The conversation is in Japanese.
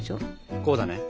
こうだね。